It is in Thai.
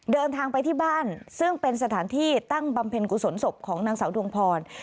เดินทางไปที่บ้านซึ่งเป็นสถานที่ตั้งบำเพ็ญกุศลศพของนางสาวดวงพร